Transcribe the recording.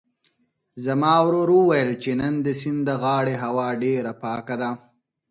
زما ورور وویل چې نن د سیند د غاړې هوا ډېره پاکه ده.